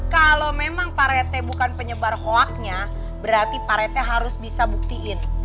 kalau memang parete bukan penyebar hoaknya berarti parete harus bisa buktiin